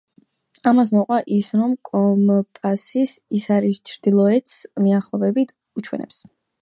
ამას მოჰყვება ის, რომ კომპასის ისარი ჩრდილოეთს მიახლოებით უჩვენებს.